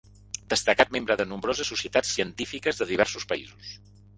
Destacat membre de nombroses societats científiques de diversos països.